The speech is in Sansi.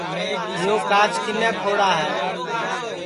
یو کاچ کِنے پھوڑا ہے